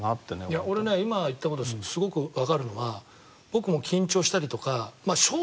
いや俺ね今言った事すごくわかるのは僕も緊張したりとかまあ正直言うとですよ